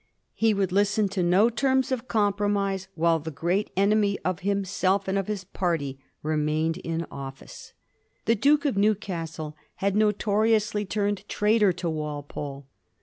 He would listen to no terms of compromise while the great enemy of himself and of his party remained in office. The Duke of Newcastle had notoriously turned traitor to Walpole.